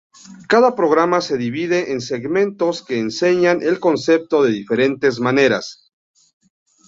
Cada programa se divide en segmentos que enseñan el concepto de diferentes maneras.